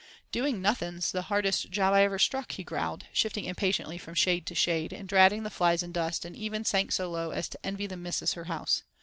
"Doing nothing's the hardest job I ever struck," he growled, shifting impatiently from shade to shade, and dratting the flies and dust; and even sank so low as to envy the missus her house.